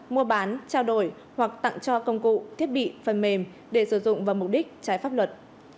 mua bán trao đổi hoặc tặng cho công cụ thiết bị phần mềm để sử dụng vào mục đích trái pháp luật